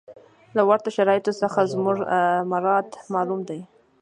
له ورته شرایطو څخه زموږ مراد معلوم دی.